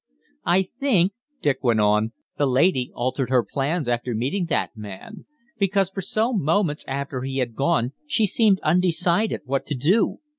"I think," Dick went on, "the lady altered her plans after meeting that man; because for some moments after he had gone she seemed undecided what to do.